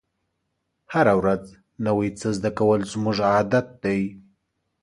هره ورځ نوی څه زده کول زموږ عادت دی.